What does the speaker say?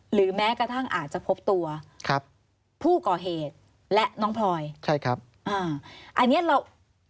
หรือแม้กระทั่งอาจจะพบตัวผู้ก่อเหตุและน้องพรอยอันเนี้ยเว้น